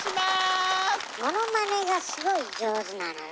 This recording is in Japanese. ものまねがすごい上手なのよね。